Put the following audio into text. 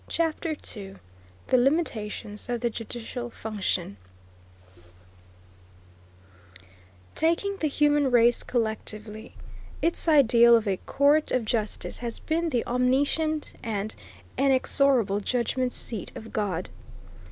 CHAPTER II THE LIMITATIONS OF THE JUDICIAL FUNCTION Taking the human race collectively, its ideal of a court of justice has been the omniscient and inexorable judgment seat of God.